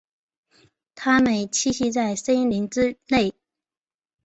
它们栖息在森林之内。